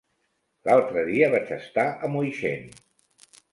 L'altre dia vaig estar a Moixent.